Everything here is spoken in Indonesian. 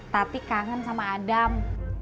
tati kangen sama adam